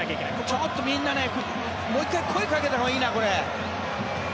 ちょっとみんなもう１回声をかけたほうがいいな。